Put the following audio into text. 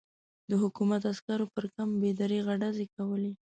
د حکومت عسکرو پر کمپ بې دریغه ډزې کولې.